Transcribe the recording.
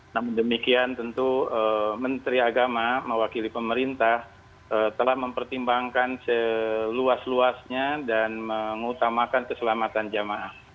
namun demikian tentu menteri agama mewakili pemerintah telah mempertimbangkan seluas luasnya dan mengutamakan keselamatan jamaah